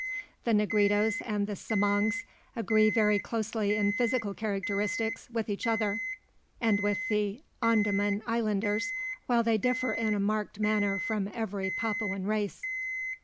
The Negritos and the Semangs agree very closely in physical characteristics with each other and with the Andaman Islanders, while they differ in a marked manner from every Papuan race.